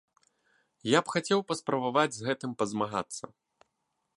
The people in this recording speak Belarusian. Я б хацеў паспрабаваць з гэтым пазмагацца.